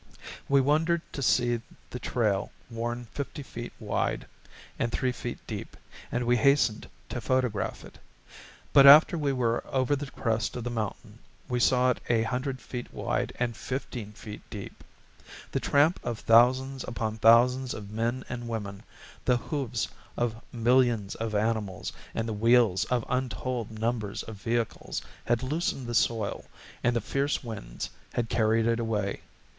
We wondered to see the trail worn fifty feet wide and three feet deep, and we hastened to photograph it. But after we were over the crest of the mountain, we saw it a hundred feet wide and fifteen feet deep. The tramp of thousands upon thousands of men and women, the hoofs of millions of animals, and the wheels of untold numbers of vehicles had loosened the soil, and the fierce winds had carried it away.